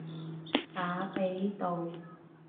打比道